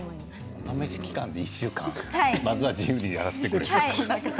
お試し期間で１週間まずは自由にやらせてくれと。